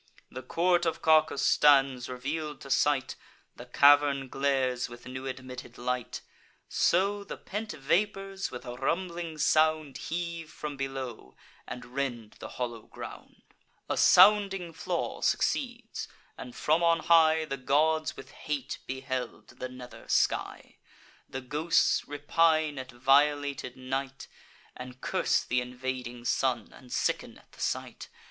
The court of Cacus stands reveal'd to sight; The cavern glares with new admitted light. So the pent vapours, with a rumbling sound, Heave from below, and rend the hollow ground; A sounding flaw succeeds; and, from on high, The gods with hate beheld the nether sky: The ghosts repine at violated night, And curse th' invading sun, and sicken at the sight.